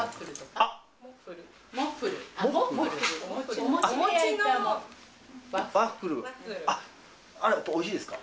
あれやっぱおいしいですか？